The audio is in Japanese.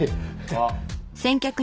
あっ。